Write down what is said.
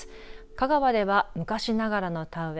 香川では昔ながらの田植え